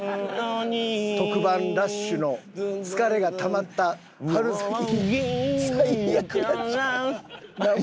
特番ラッシュの疲れがたまった春先に最悪な時間。